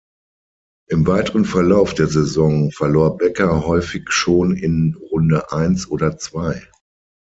Im weiteren Verlauf der Saison verlor Becker häufig schon in Runde eins oder zwei.